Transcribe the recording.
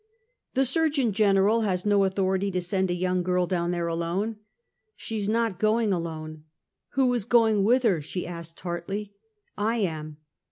" The Surgeon General has no authority to send a young girl down there alone." " She is not going alone." " Who is going with her?" she asked, tartly. " I am."